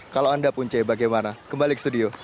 kalau anda pun ce bagaimana kembali ke studio